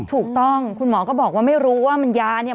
ถูกต้องคุณหมอก็บอกว่าไม่รู้ว่ามันยาเนี่ย